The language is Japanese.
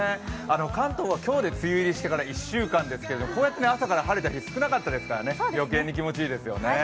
関東は今日で、梅雨入りしたから１週間ですけれどもこうやって朝から晴れた日すくなかったですからね、気持ちいいですよね。